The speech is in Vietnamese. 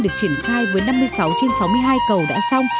được triển khai với năm mươi sáu trên sáu mươi hai cầu đã xong